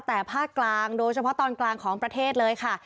แต่ภาคกลางโดยเฉพาะตอนกลางของประเทศเลยค่ะ